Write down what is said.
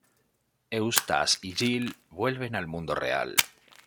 Eustace y Jill vuelven al mundo real.